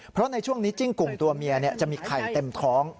เพราะในช่วงนี้จิ้งกุ่งตัวเมียจะมีไข่เต็มท้อง